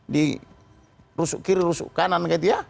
di rusuk kiri rusuk kanan